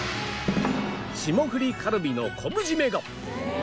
霜降りカルビの昆布〆が！